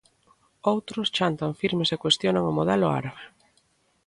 Outros, chantan firmes e cuestionan o modelo árabe.